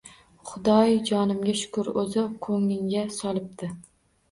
Xudoy jonimga shukr, O`zi ko`nglingga solibdi